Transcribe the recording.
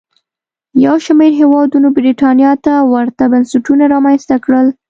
یو شمېر هېوادونو برېټانیا ته ورته بنسټونه رامنځته کړل.